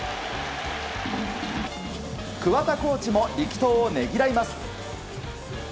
桑田コーチも力投をねぎらいます。